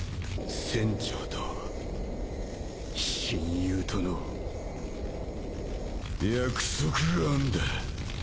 船長と親友との約束があんだ